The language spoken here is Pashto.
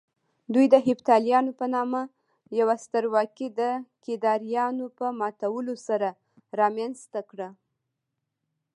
دوی د هېپتاليانو په نامه يوه سترواکي د کيداريانو په ماتولو سره رامنځته کړه